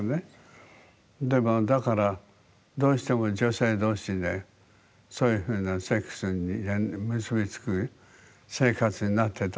でもだからどうしても女性同士でそういうふうなセックスに結びつく生活になってたわけね。